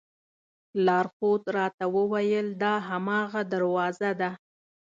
لارښود راته وویل دا هماغه دروازه ده.